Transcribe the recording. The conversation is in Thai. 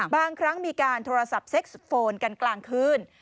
บางครั้งมีการโทรศัพท์เซ็กซ์โฟนกันกลางคืน